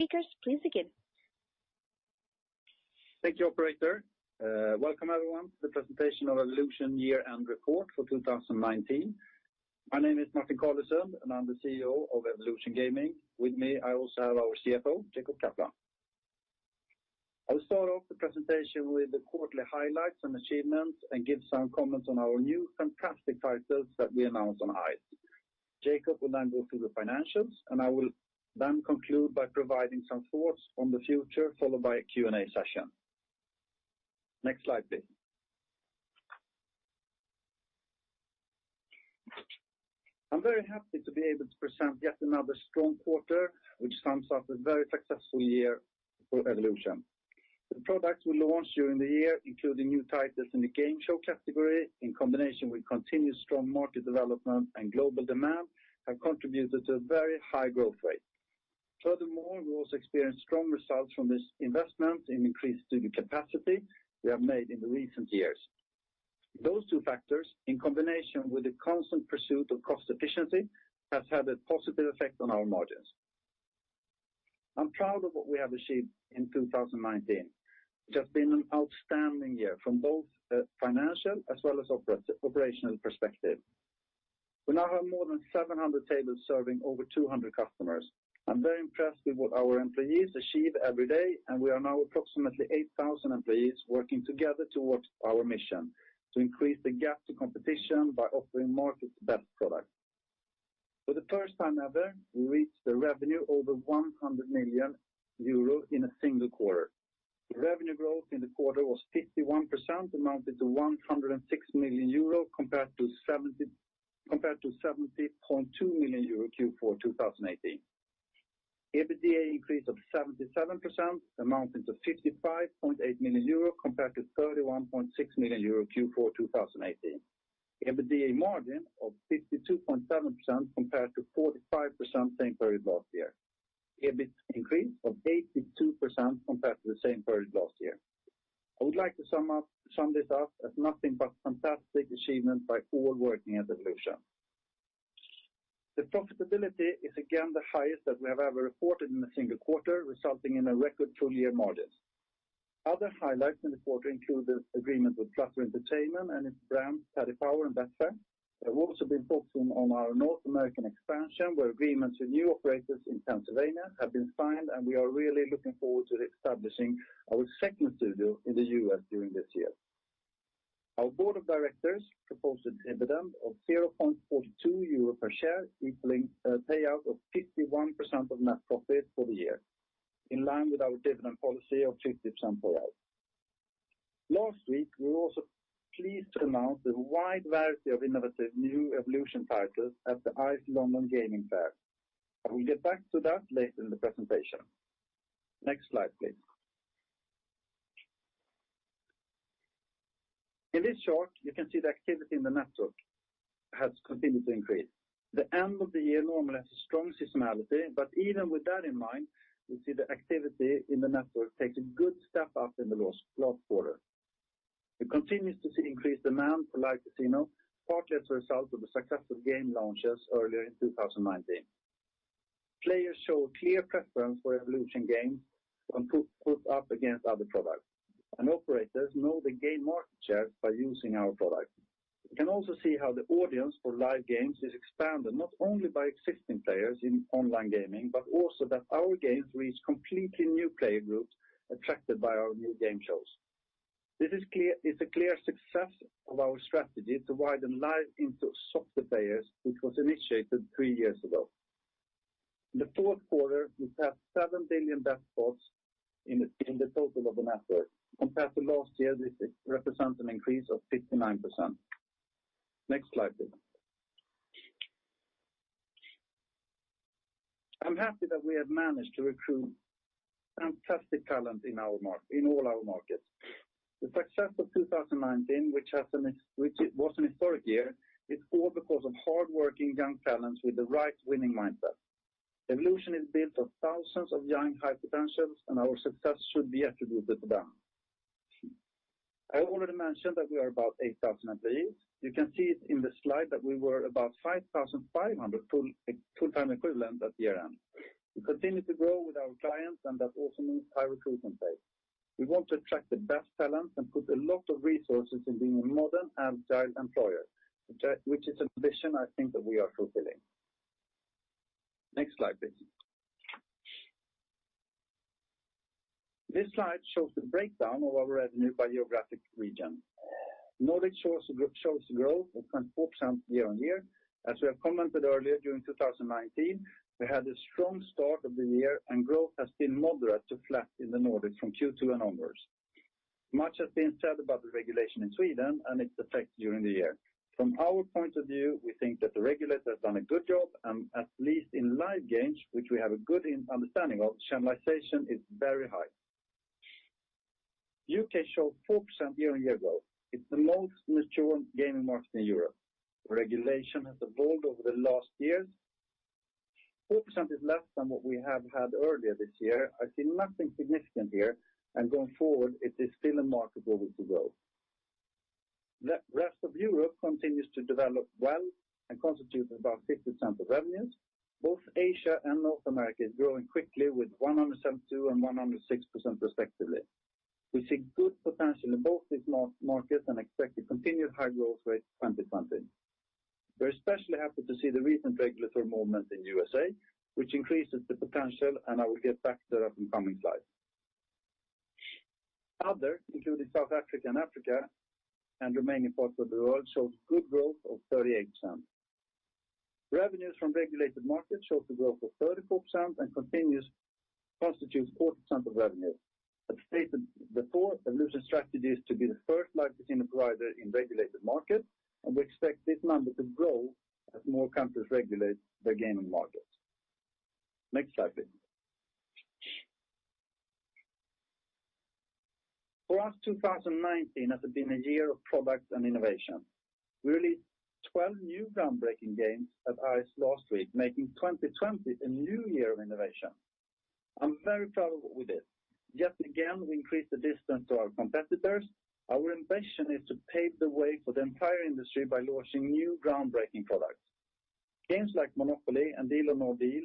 Speakers, please begin. Thank you, operator. Welcome, everyone, to the presentation of Evolution year-end report for 2019. My name is Martin Carlesund, and I'm the CEO of Evolution Gaming. With me, I also have our CFO, Jacob Kaplan. I will start off the presentation with the quarterly highlights and achievements, and give some comments on our new fantastic titles that we announced on ICE. Jacob will then go through the financials, and I will then conclude by providing some thoughts on the future, followed by a Q&A session. Next slide, please. I'm very happy to be able to present yet another strong quarter, which sums up a very successful year for Evolution. The products we launched during the year, including new titles in the game show category, in combination with continued strong market development and global demand, have contributed to a very high growth rate. Furthermore, we also experienced strong results from this investment in increased studio capacity we have made in the recent years. Those two factors, in combination with the constant pursuit of cost efficiency, has had a positive effect on our margins. I'm proud of what we have achieved in 2019, which has been an outstanding year from both a financial as well as operational perspective. We now have more than 700 tables serving over 200 customers. I'm very impressed with what our employees achieve every day, and we are now approximately 8,000 employees working together towards our mission to increase the gap to competition by offering market's best product. For the first time ever, we reached the revenue over 100 million euro in a single quarter. The revenue growth in the quarter was 51%, amounted to 106 million euro compared to 70.2 million euro Q4 2018. EBITDA increase of 77%, amounting to 55.8 million euro, compared to 31.6 million euro Q4 2018. EBITDA margin of 52.7% compared to 45% same period last year. EBIT increase of 82% compared to the same period last year. I would like to sum this up as nothing but fantastic achievement by all working at Evolution. The profitability is again the highest that we have ever reported in a single quarter, resulting in a record full-year margin. Other highlights in the quarter include the agreement with Flutter Entertainment and its brands Paddy Power and Betfair, but also been focusing on our North American expansion, where agreements with new operators in Pennsylvania have been signed, and we are really looking forward to establishing our second studio in the U.S. during this year. Our board of directors proposed a dividend of 0.42 euro per share, equaling a payout of 51% of net profit for the year, in line with our dividend policy of 50% payout. Last week, we were also pleased to announce a wide variety of innovative new Evolution titles at the ICE London Gaming Fair, and we'll get back to that later in the presentation. Next slide, please. In this chart, you can see the activity in the network has continued to increase. The end of the year normally has a strong seasonality, but even with that in mind, we see the activity in the network takes a good step up in the last quarter. We continue to see increased demand for live casino, partly as a result of the successful game launches earlier in 2019. Players show a clear preference for Evolution games when put up against other products. Operators know the game market share by using our product. We can also see how the audience for live games is expanded not only by existing players in online gaming, but also that our games reach completely new player groups attracted by our new game shows. This is a clear success of our strategy to widen live into slots players, which was initiated three years ago. In the fourth quarter, we passed seven billion bet spots in the total of the network. Compared to last year, this represents an increase of 59%. Next slide, please. I'm happy that we have managed to recruit fantastic talent in all our markets. The success of 2019, which was an historic year, is all because of hardworking young talents with the right winning mindset. Evolution is built of thousands of young high potentials, and our success should be attributed to them. I already mentioned that we are about 8,000 employees. You can see it in the slide that we were about 5,500 full-time equivalent at year-end. We continue to grow with our clients, and that also means high recruitment pace. We want to attract the best talent and put a lot of resources in being a modern and agile employer, which is a mission I think that we are fulfilling. Next slide, please. This slide shows the breakdown of our revenue by geographic region. Nordic shows growth of 24% year-on-year. As we have commented earlier, during 2019, we had a strong start of the year and growth has been moderate to flat in the Nordic from Q2 and onwards. Much has been said about the regulation in Sweden and its effect during the year. From our point of view, we think that the regulator has done a good job, and at least in live games, which we have a good understanding of, channelization is very high. U.K. showed 4% year-on-year growth. It's the most mature gaming market in Europe. Regulation has evolved over the last years. 4% is less than what we have had earlier this year. I see nothing significant here, and going forward, it is still a market with growth. The rest of Europe continues to develop well and constitutes about 50% of revenues. Both Asia and North America are growing quickly, with 172% and 106%, respectively. We see good potential in both these markets and expect to continue high growth rates 2020. We're especially happy to see the recent regulatory movement in the U.S., which increases the potential, and I will get back to that in coming slides. Other, including South Africa and Africa and remaining parts of the world, showed good growth of 38%. Revenues from regulated markets showed the growth of 34% and continues to constitute 40% of revenue. As stated before, Evolution strategy is to be the first live casino provider in regulated markets, and we expect this number to grow as more countries regulate their gaming markets. Next slide, please. For us, 2019 has been a year of product and innovation. We released 12 new groundbreaking games at ICE last week, making 2020 a new year of innovation. I'm very proud of what we did. Yet again, we increased the distance to our competitors. Our ambition is to pave the way for the entire industry by launching new, groundbreaking products. Games like MONOPOLY and Deal or No Deal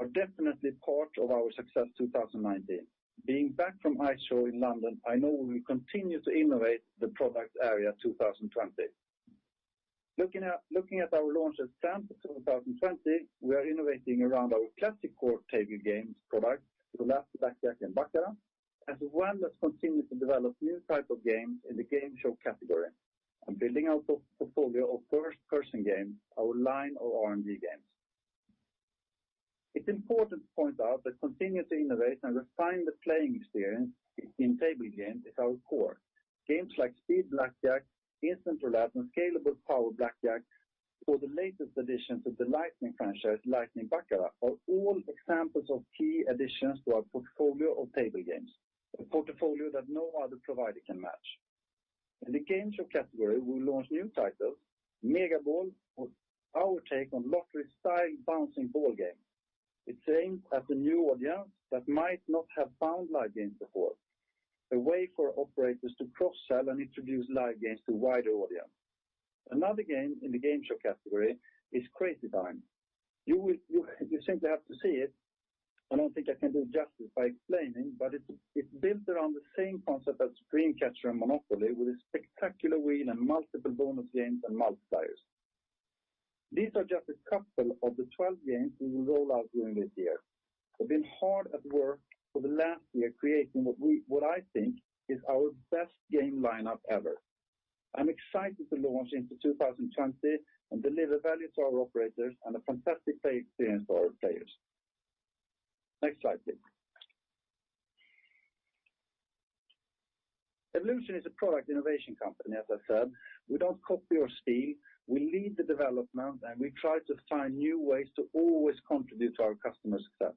are definitely part of our success 2019. Being back from ICE London, I know we will continue to innovate the product area 2020. Looking at our launch plans for 2020, we are innovating around our classic core table games products, roulette, blackjack, and baccarat, as well as continuously develop new type of games in the game show category and building out a portfolio of First Person games, our line of RNG games. It's important to point out that continuing to innovate and refine the playing experience in table games is our core. Games like Speed Blackjack, Instant Roulette, and Scalable Power Blackjack or the latest addition to the Lightning franchise, Lightning Baccarat, are all examples of key additions to our portfolio of table games, a portfolio that no other provider can match. In the game show category, we launch new titles. Mega Ball is our take on lottery-style bouncing ball game. It's aimed at a new audience that might not have found live games before, a way for operators to cross-sell and introduce live games to a wider audience. Another game in the game show category is Crazy Time. You simply have to see it. I don't think I can do it justice by explaining, but it's built around the same concept as Dream Catcher and MONOPOLY, with a spectacular wheel and multiple bonus games and multipliers. These are just a couple of the 12 games we will roll out during this year. We've been hard at work for the last year creating what I think is our best game lineup ever. I'm excited to launch into 2020 and deliver value to our operators and a fantastic play experience for our players. Next slide, please. Evolution is a product innovation company, as I said. We don't copy or steal. We lead the development. We try to find new ways to always contribute to our customers' success.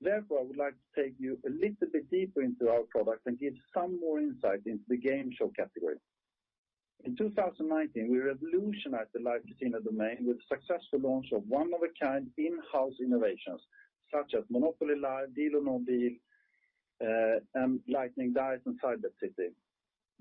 Therefore, I would like to take you a little bit deeper into our product and give some more insight into the game show category. In 2019, we revolutionized the live casino domain with successful launch of one-of-a-kind in-house innovations such as MONOPOLY Live, Deal or No Deal Live, Lightning Dice and Side Bet City.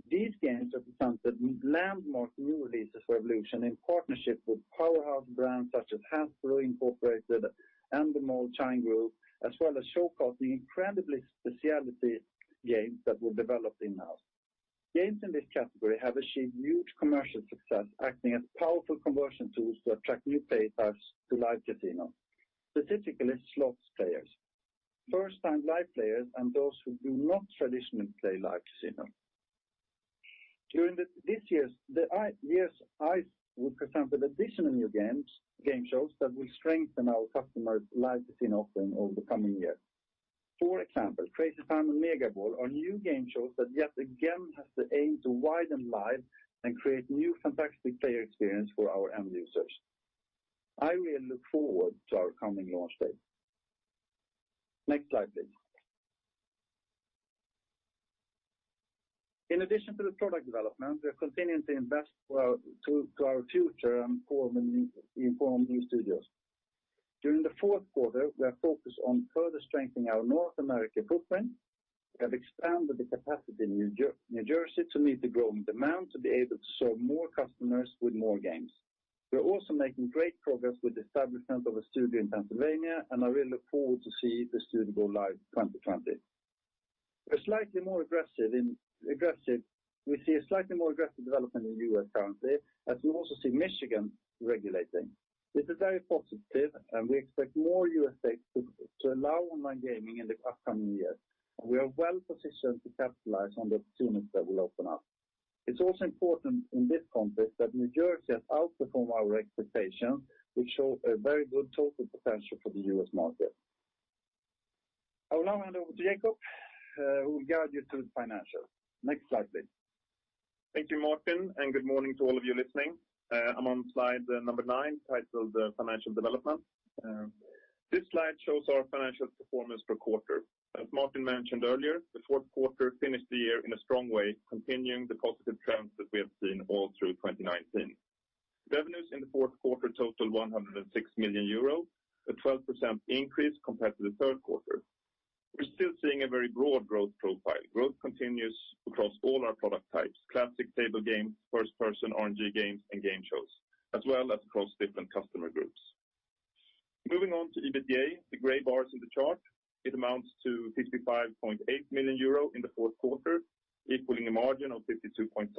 These games have become the landmark new releases for Evolution in partnership with powerhouse brands such as Hasbro, Inc. and the Endemol Shine Group, as well as showcasing incredibly specialty games that we've developed in-house. Games in this category have achieved huge commercial success, acting as powerful conversion tools to attract new players to live casino, specifically slots players, first-time live players, and those who do not traditionally play live casino. During this year's ICE, we presented additional new game shows that will strengthen our customers' live casino offering over the coming year. For example, Crazy Time and Mega Ball are new game shows that yet again have the aim to widen live and create new fantastic player experience for our end users. I really look forward to our coming launch date. Next slide, please. In addition to the product development, we are continuing to invest to our future and form new studios. During the fourth quarter, we are focused on further strengthening our North American footprint. We have expanded the capacity in New Jersey to meet the growing demand to be able to serve more customers with more games. We are also making great progress with the establishment of a studio in Pennsylvania, and I really look forward to see the studio go live 2020. We see a slightly more aggressive development in U.S. currently, as we also see Michigan regulating. This is very positive, and we expect more U.S. states to allow online gaming in the upcoming year. We are well-positioned to capitalize on the opportunities that will open up. It's also important in this context that New Jersey has outperformed our expectations, which show a very good total potential for the U.S. market. I will now hand over to Jacob, who will guide you through the financials. Next slide, please. Thank you, Martin. Good morning to all of you listening. I'm on slide number nine, titled financial development. This slide shows our financial performance per quarter. As Martin mentioned earlier, the fourth quarter finished the year in a strong way, continuing the positive trends that we have seen all through 2019. Revenues in the fourth quarter total 106 million euros, a 12% increase compared to the third quarter. We're still seeing a very broad growth profile. Growth continues across all our product types, classic table games, First Person RNG games, and game shows, as well as across different customer groups. Moving on to EBITDA, the gray bars in the chart. It amounts to 55.8 million euro in the fourth quarter, equaling a margin of 52.7%.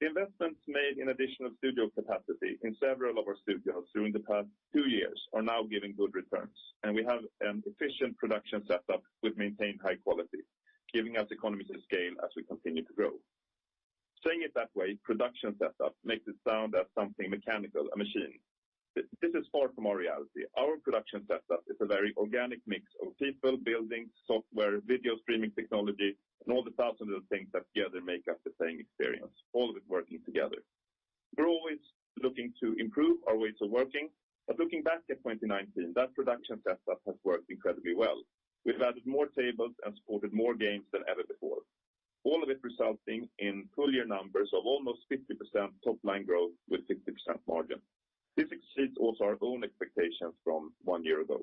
The investments made in additional studio capacity in several of our studios during the past two years are now giving good returns, and we have an efficient production setup with maintained high quality, giving us economies of scale as we continue to grow. Saying it that way, production setup makes it sound as something mechanical, a machine. This is far from our reality. Our production setup is a very organic mix of people, building, software, video streaming technology, and all the thousand little things that together make up the playing experience, all of it working together. We're always looking to improve our ways of working, but looking back at 2019, that production setup has worked incredibly well. We've added more tables and supported more games than ever before. All of it resulting in full-year numbers of almost 50% top-line growth with 60% margin. This exceeds also our own expectations from one year ago.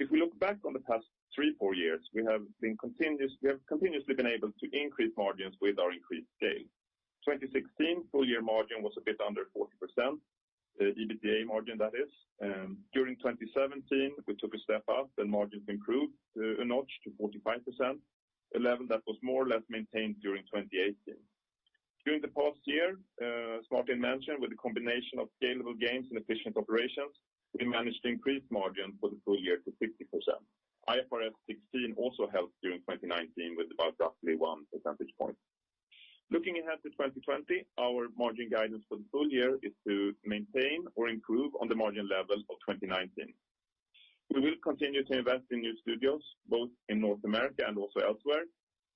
If we look back on the past three, four years, we have continuously been able to increase margins with our increased scale. 2016 full-year margin was a bit under 40%, the EBITDA margin that is. During 2017, we took a step up and margins improved a notch to 45%, a level that was more or less maintained during 2018. During the past year, as Martin mentioned, with the combination of scalable games and efficient operations, we managed to increase margin for the full year to 50%. IFRS 16 also helped during 2019 with about roughly one percentage point. Looking ahead to 2020, our margin guidance for the full year is to maintain or improve on the margin level of 2019. We will continue to invest in new studios, both in North America and also elsewhere.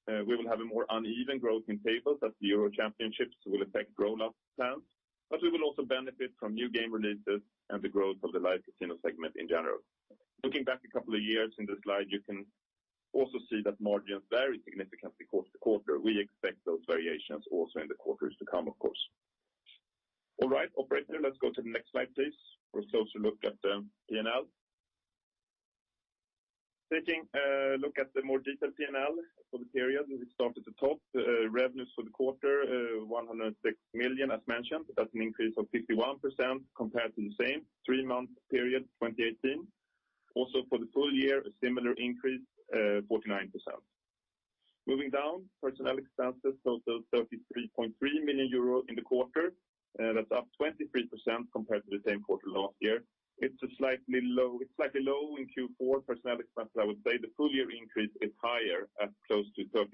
We will have a more uneven growth in tables as the Euro Championships will affect roll-up plans. We will also benefit from new game releases and the growth of the live casino segment in general. Looking back a couple of years in the slide, you can also see that margins vary significantly quarter to quarter. We expect those variations also in the quarters to come, of course. All right, operator, let's go to the next slide, please. For us also look at the P&L. Taking a look at the more detailed P&L for the period, we start at the top. Revenues for the quarter, 106 million, as mentioned. That's an increase of 51% compared to the same three-month period 2018. Also, for the full year, a similar increase, 49%. Moving down, personnel expenses total 33.3 million euros in the quarter. That's up 23% compared to the same quarter last year. It's slightly low in Q4, personnel expenses, I would say. The full-year increase is higher at close to 30%.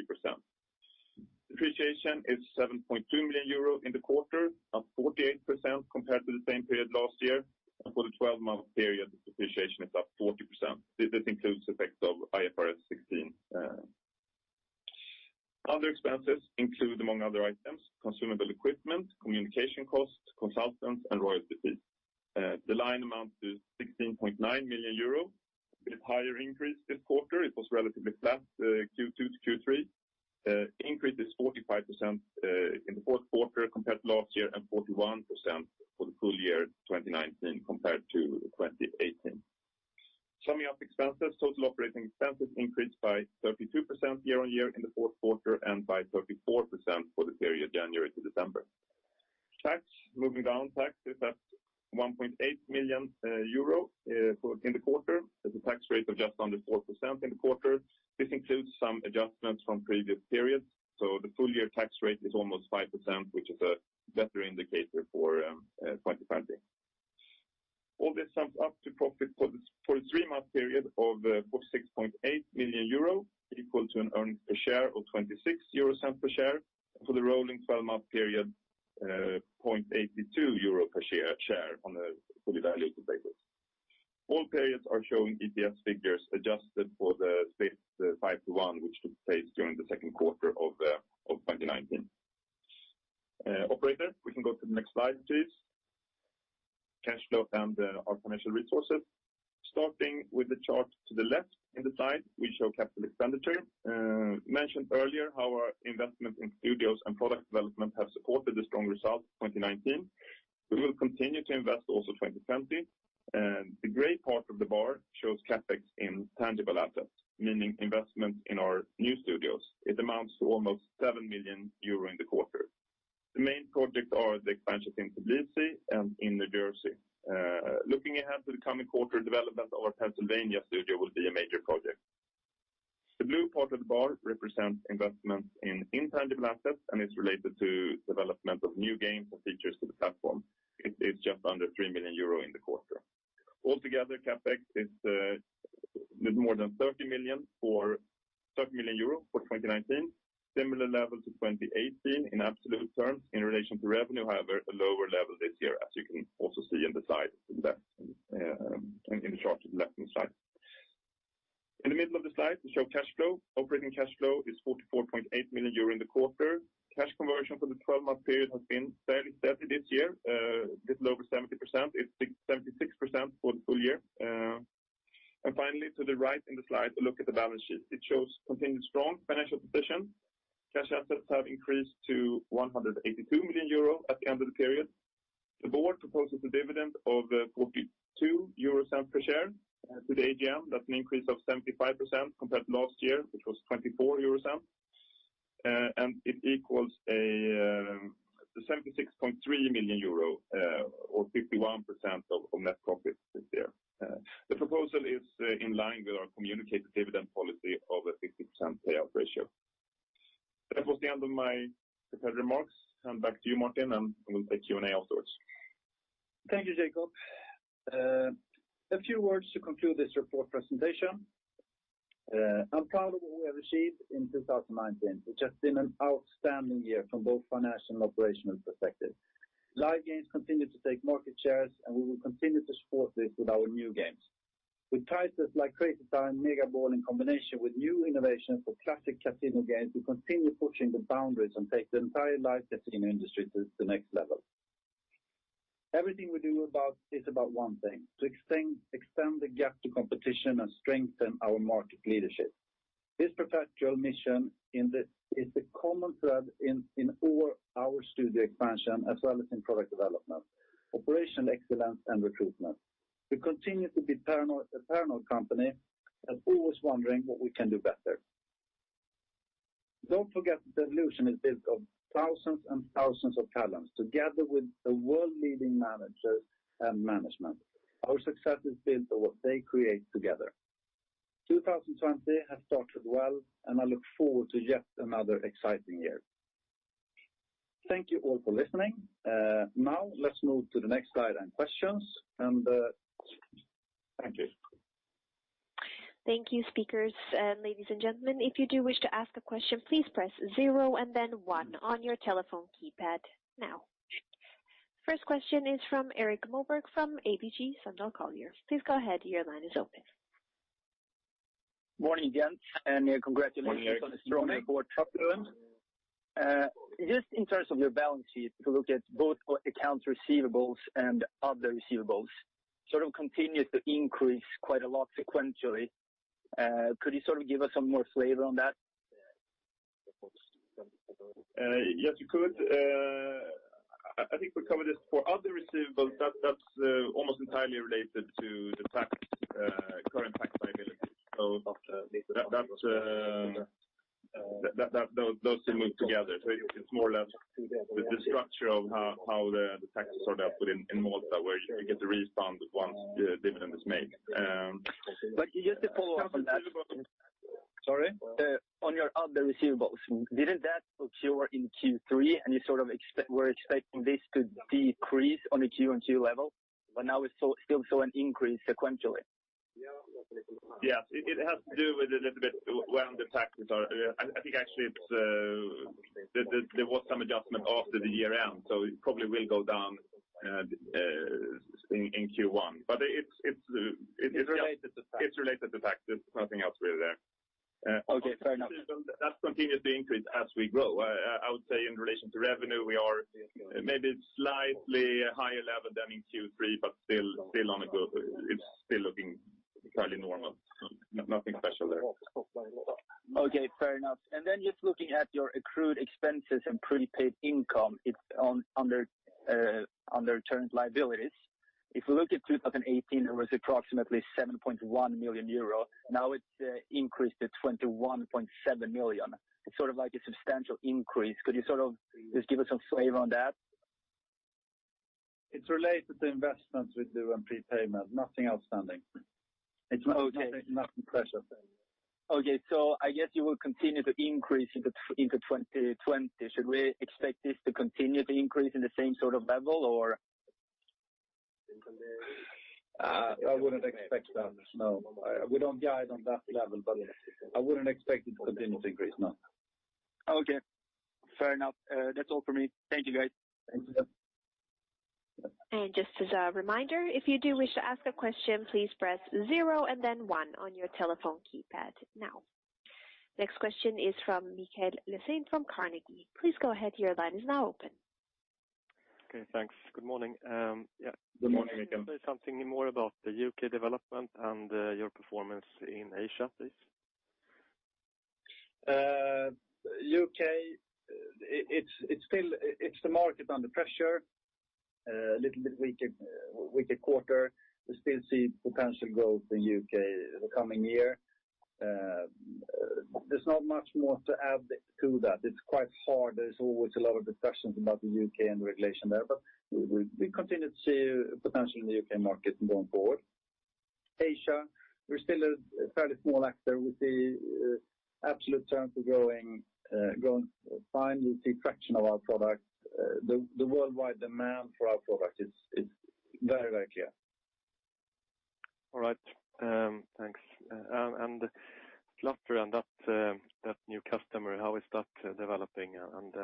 Depreciation is 7.2 million euro in the quarter, up 48% compared to the same period last year. For the 12-month period, depreciation is up 40%. This includes effects of IFRS 16. Other expenses include, among other items, consumable equipment, communication costs, consultants, and royalties. The line amount is 16.9 million euros. A bit higher increase this quarter. It was relatively flat, Q2 to Q3. Increase is 45% in the fourth quarter compared to last year and 41% for the full year 2019 compared to 2018. Summing up expenses, total operating expenses increased by 32% year-on-year in the fourth quarter and by 34% for the period January to December. Tax, moving down. Tax is at 1.8 million euro in the quarter. There's a tax rate of just under 4% in the quarter. This includes some adjustments from previous periods. The full-year tax rate is almost 5%, which is a better indicator for 2020. All this sums up to profit for the three-month period of 46.8 million euro, equal to an earnings per share of 0.26 per share. For the rolling 12-month period, 0.82 euro per share on a fully valued basis. All periods are showing EPS figures adjusted for the split five-to-one, which took place during the second quarter of 2019. Operator, we can go to the next slide, please. Cash flow and our financial resources. Starting with the chart to the left in the slide, we show capital expenditure. Mentioned earlier how our investment in studios and product development have supported the strong results of 2019. We will continue to invest also in 2020. The gray part of the bar shows CapEx in tangible assets, meaning investment in our new studios. It amounts to almost 7 million euro in the quarter. The main projects are the expansions in Tbilisi and in New Jersey. Looking ahead to the coming quarter, development of our Pennsylvania studio will be a major project. The blue part of the bar represents investment in intangible assets and is related to development of new games and features to the platform. It's just under 3 million euro in the quarter. Altogether, CapEx is more than 30 million euro for 2019. Similar level to 2018 in absolute terms. In relation to revenue, however, a lower level this year, as you can also see in the chart to the left-hand side. In the middle of the slide, we show cash flow. Operating cash flow is 44.8 million euro in the quarter. Cash conversion for the 12-month period has been fairly steady this year, a bit over 70%. It's 76% for the full year. Finally, to the right in the slide, a look at the balance sheet. It shows continued strong financial position. Cash assets have increased to 182 million euro at the end of the period. The board proposes a dividend of 0.42 per share to the AGM. That's an increase of 75% compared to last year, which was 0.24. It equals a 76.3 million euro or 51% of net profit this year. The proposal is in line with our communicated dividend policy of a 50% payout ratio. That was the end of my prepared remarks. Back to you, Martin, and we will take Q&A afterwards. Thank you, Jacob. A few words to conclude this report presentation. I'm proud of what we have achieved in 2019, which has been an outstanding year from both financial and operational perspective. Live games continue to take market shares, and we will continue to support this with our new games. With titles like Crazy Time, Mega Ball, in combination with new innovations for classic casino games, we continue pushing the boundaries and take the entire live casino industry to the next level. Everything we do is about one thing: to extend the gap to competition and strengthen our market leadership. This perpetual mission is the common thread in all our studio expansion as well as in product development, operational excellence, and recruitment. We continue to be an eternal company and always wondering what we can do better. Don't forget that Evolution is built of thousands and thousands of talents, together with the world-leading managers and management. Our success is built on what they create together. 2020 has started well, and I look forward to yet another exciting year. Thank you all for listening. Now let's move to the next slide and questions. Thank you. Thank you, speakers. Ladies and gentlemen, if you do wish to ask a question, please press zero and then one on your telephone keypad now. First question is from Erik Moberg from ABG Sundal Collier. Please go ahead. Your line is open. Morning, gents, and congratulations. Morning, Erik. On a strong board. Just in terms of your balance sheet, if you look at both accounts receivable and other receivables, sort of continues to increase quite a lot sequentially. Could you sort of give us some more flavor on that? Yes, we could. I think we covered this. For other receivables, that's almost entirely related to the current tax liability. Those two move together. It's more or less the structure of how the tax is sort of put in Malta, where you get the refund once the dividend is made. Just to follow up on that. Sorry? On your other receivables, didn't that occur in Q3, and you sort of were expecting this to decrease on a Q on Q level? Now we still saw an increase sequentially. Yes. It has to do with a little bit around the tax return. I think, actually, there was some adjustment after the year-end, so it probably will go down in Q1. It's related to tax. It's related to tax. There's nothing else really there. Okay, fair enough. That continues to increase as we grow. I would say in relation to revenue, we are maybe slightly higher level than in Q3, but it's still looking fairly normal. Nothing special there. Okay, fair enough. Just looking at your accrued expenses and prepaid income, it's under current liabilities. If you look at 2018, it was approximately 7.1 million euro. Now it's increased to 21.7 million. It's sort of like a substantial increase. Could you sort of just give us some flavor on that? It's related to investments we do on prepayment. Nothing outstanding. Okay. Nothing special. Okay. I guess you will continue to increase into 2020. Should we expect this to continue to increase in the same sort of level or? I wouldn't expect that, no. We don't guide on that level, but I wouldn't expect it to continue to increase, no. Okay, fair enough. That's all for me. Thank you, guys. Thank you. Just as a reminder, if you do wish to ask a question, please press zero and then one on your telephone keypad now. Next question is from Mikael Laséen from Carnegie. Please go ahead. Your line is now open. Okay, thanks. Good morning. Good morning, Mikael. Can you say something more about the U.K. development and your performance in Asia, please? U.K., it's a market under pressure. A little bit weaker quarter. We still see potential growth in U.K. the coming year. There's not much more to add to that. It's quite hard. There's always a lot of discussions about the U.K. and regulation there. We continue to see potential in the U.K. market going forward. Asia, we're still a fairly small actor with the absolute terms; we're going fine. We see traction of our product. The worldwide demand for our product is very, very clear. All right. Thanks. Flutter and that new customer, how is that developing, and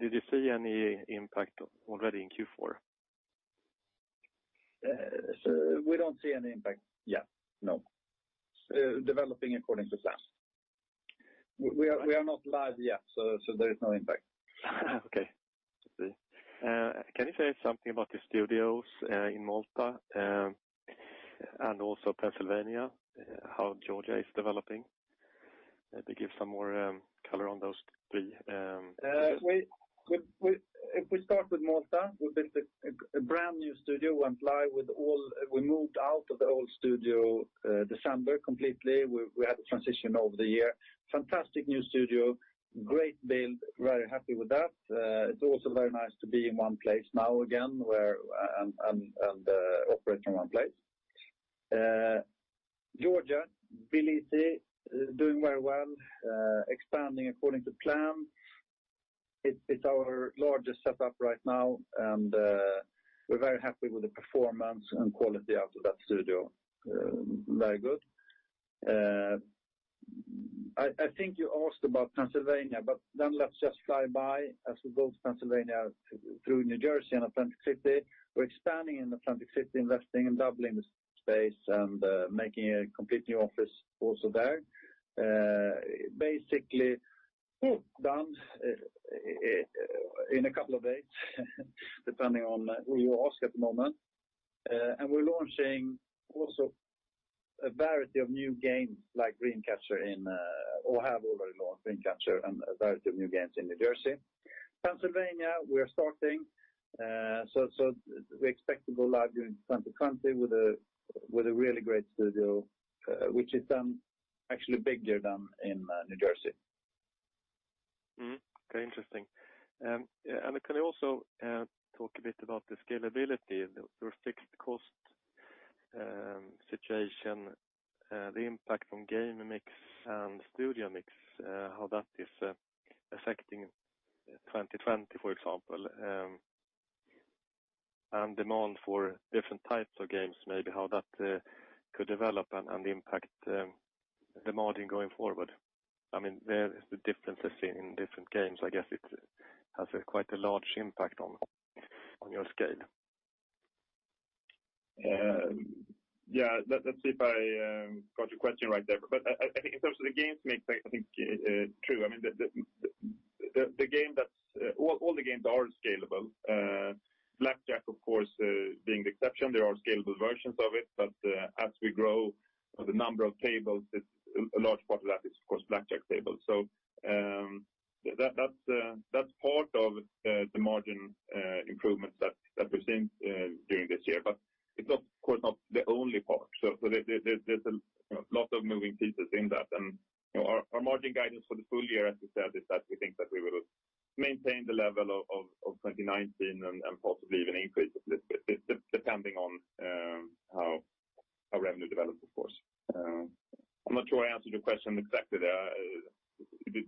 did you see any impact already in Q4? We don't see any impact yet, no. Developing according to plan. We are not live yet, so there is no impact. Okay. Can you say something about the studios in Malta and also Pennsylvania, how Georgia is developing? Maybe give some more color on those three. If we start with Malta, we built a brand new studio, and we moved out of the old studio December completely. We had the transition over the year. Fantastic new studio, great build, very happy with that. It's also very nice to be in one place now again and operate in one place. Georgia, Tbilisi, doing very well, expanding according to plan. It's our largest setup right now, and we're very happy with the performance and quality out of that studio. Very good. I think you asked about Pennsylvania. Let's just fly by as we go to Pennsylvania through New Jersey and Atlantic City. We're expanding in Atlantic City, investing and doubling the space and making a complete new office also there. Basically, done in a couple of days, depending on who you ask at the moment. We're launching also a variety of new games like Dream Catcher, or have already launched Dream Catcher and a variety of new games in New Jersey. Pennsylvania, we are starting. We expect to go live during 2020 with a really great studio, which is actually bigger than in New Jersey. Okay, interesting. Can you also talk a bit about the scalability, your fixed cost situation, the impact from game mix and studio mix, how that is affecting 2020, for example, and demand for different types of games, maybe how that could develop and impact the margin going forward? There is the differences in different games. I guess it has quite a large impact on your scale. Yeah. Let's see if I got your question right there. I think in terms of the games mix, I think it's true. All the games are scalable. Blackjack, of course, being the exception. There are scalable versions of it, but as we grow the number of tables, a large part of that is, of course, blackjack tables. That's part of the margin improvements that we've seen during this year, but it's, of course, not the only part. There's a lot of moving pieces in that, and our margin guidance for the full year, as we said, is that we think that we will maintain the level of 2019 and possibly even increase it a little bit, depending on how our revenue develops, of course. I'm not sure I answered your question exactly there.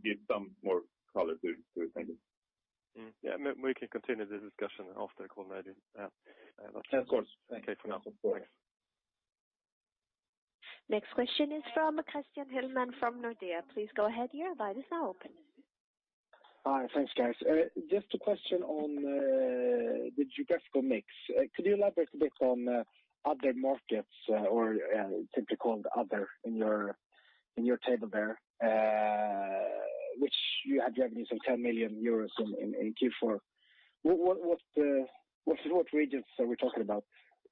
Give some more color to it, maybe. We can continue this discussion after the call maybe. Of course. Thank you. Okay for now. Next question is from Christian Hellman from Nordea. Please go ahead, your line is now open. Hi. Thanks, guys. Just a question on the geographical mix. Could you elaborate a bit on other markets, or typically called other in your table there, which you had revenues of 10 million euros in Q4. What regions are we talking about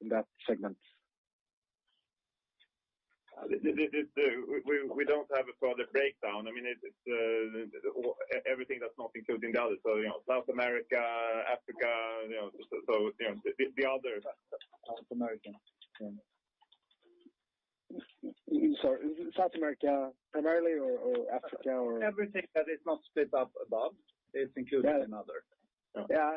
in that segment? We don't have a further breakdown. It's everything that's not included in the others. South America, Africa, the others. South America. Sorry, South America primarily or Africa. Everything that is not split up above is included in other. Yeah,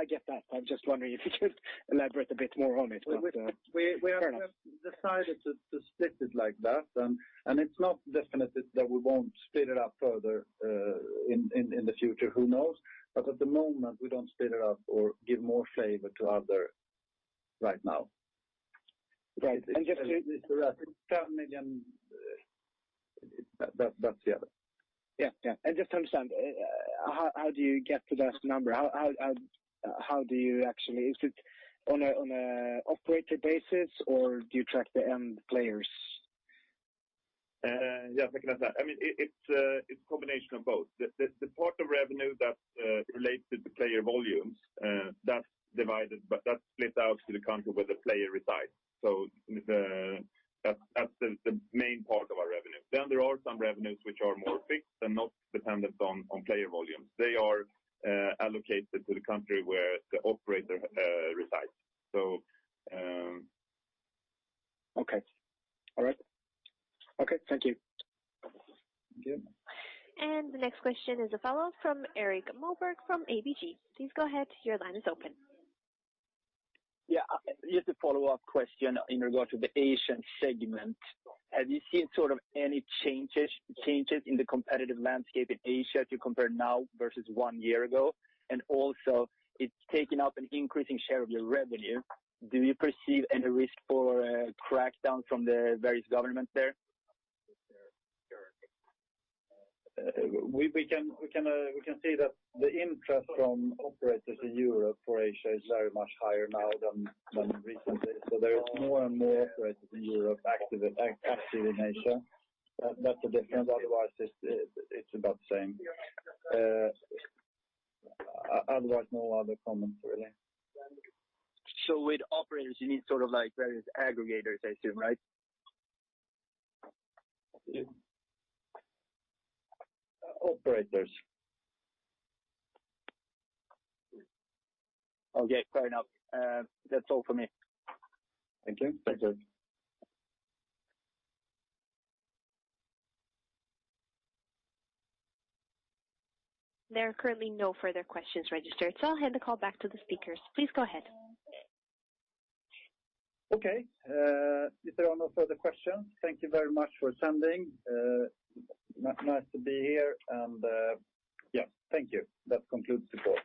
I get that. I'm just wondering if you could elaborate a bit more on it. Fair enough. We have decided to split it like that. It's not definite that we won't split it up further in the future, who knows? At the moment, we don't split it up or give more flavor to other right now. Right. It's around EUR 10 million. That's the other. Yeah. I just understand. How do you get to that number? Is it on an operator basis, or do you track the end players? Yeah, I can answer that. It's a combination of both. The part of revenue that relates to the player volumes, that's split out to the country where the player resides. That's the main part of our revenue. There are some revenues which are more fixed and not dependent on player volumes. They are allocated to the country where the operator resides. Okay. All right. Okay. Thank you. Thank you. The next question is a follow-up from Erik Moberg from ABG. Please go ahead, your line is open. Yeah. Just a follow-up question in regard to the Asian segment. Have you seen sort of any changes in the competitive landscape in Asia to compare now versus one year ago? Also, it's taking up an increasing share of your revenue. Do you perceive any risk for a crackdown from the various governments there? We can see that the interest from operators in Europe for Asia is very much higher now than recently. There is more and more operators in Europe active in Asia. That's the difference. Otherwise, it's about the same. Otherwise, no other comments really. With operators, you mean sort of like various aggregators, I assume, right? Operators. Okay, fair enough. That's all for me. Thank you. Thank you. There are currently no further questions registered, so I'll hand the call back to the speakers. Please go ahead. Okay. If there are no further questions, thank you very much for attending. Nice to be here, and yeah, thank you. That concludes the call.